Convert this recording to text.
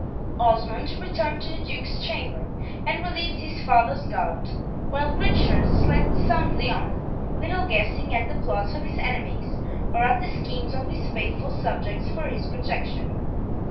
Osmond returned to the Duke's chamber, and relieved his father's guard, while Richard slept soundly on, little guessing at the plots of his enemies, or at the schemes of his faithful subjects for his protection.